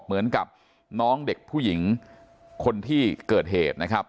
เหมือนกับน้องเด็กผู้หญิงคนที่เกิดเหตุนะครับ